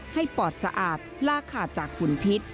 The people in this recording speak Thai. ปอดสะอาดลากขาดจากฝุ่นพิษ